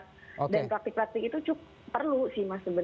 dan praktik praktik itu cukup perlu sih mas